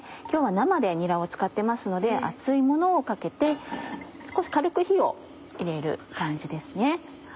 今日は生でにらを使ってますので熱いものをかけて少し軽く火を入れる感じですね。